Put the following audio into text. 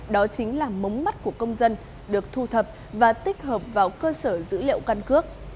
đó chính là mống mắt của công dân được thu thập và tích hợp vào cơ sở dữ liệu căn cước